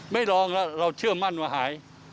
ไม่ลองล่ะเราเชื่อมั่นว่าหาย